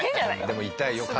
でも痛いよ角。